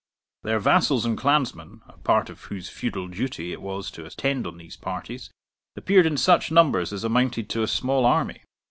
Their vassals and clansmen, a part of whose feudal duty it was to attend on these parties, appeared in such numbers as amounted to a small army.